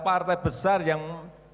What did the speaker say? partai besar yang